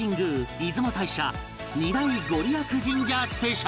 出雲大社２大ご利益神社スペシャル